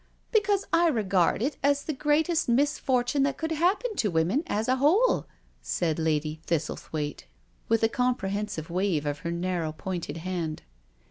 " Because I regard it as the greatest misfortune that could happen to women as a whole/* said Lady Thistle thwaite, with a comprehensive wave of her narrow pointed hand.